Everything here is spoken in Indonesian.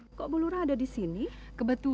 jangan sampai ada contoh yang lebih permisi